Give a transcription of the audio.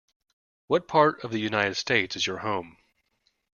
What part of the United States is your home.